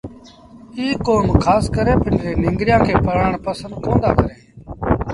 ايٚ ڪوم کآس ڪري پنڊري ننگريآݩ کي پڙهآڻ پسند ڪوندآ ڪريݩ